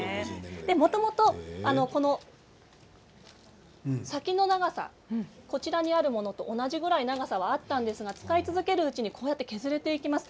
もともと、この先の長さこちらにあるものと同じぐらい長さはあったんですが使い続けるうちに削れていきます。